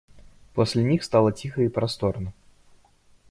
После них стало тихо и просторно.